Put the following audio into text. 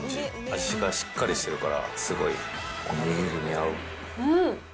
味がしっかりしてるから、すごいお握りに合う。